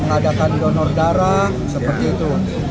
mengadakan donor darah seperti itu